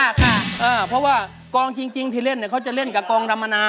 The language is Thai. นะคะเพราะละกองจริงที่เล่นเขาจะเล่นกับกองดรรมนา